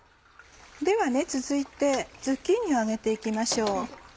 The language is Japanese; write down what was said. では続いてズッキーニを揚げて行きましょう。